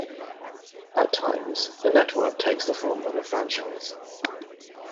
At times, the network takes the form of a franchise.